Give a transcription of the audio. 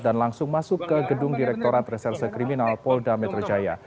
dan langsung masuk ke gedung direktorat reserse kriminal polda metro jaya